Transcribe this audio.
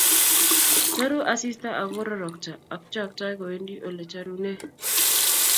Charu asiista ak kororokto , ak choktoi kowendi ole charunee.